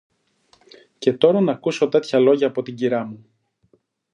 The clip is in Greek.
Και τώρα ν' ακούσω τέτοια λόγια από την κυρά μου